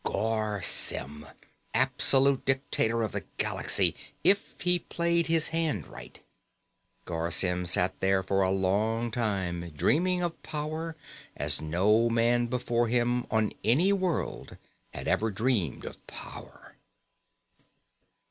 Garr Symm, absolute dictator of the galaxy, if he played his hand right. Garr Symm sat there for a long time, dreaming of power as no man before him on any world had ever dreamed of power....